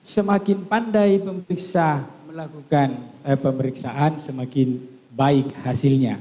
semakin pandai memeriksa melakukan pemeriksaan semakin baik hasilnya